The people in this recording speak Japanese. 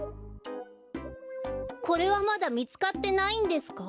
これはまだみつかってないんですか？